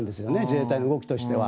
自衛隊の動きとしては。